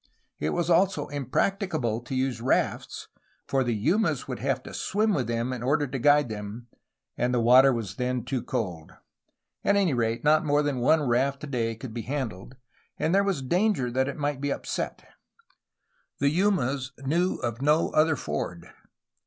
It was also impracticable to use rafts, for the Yumas would have to swim with them in order to guide them, and the water was then too cold; at any rate not more than one raft a day could be handled, and there was danger that that might be upset. And the Yumas knew of no other ford.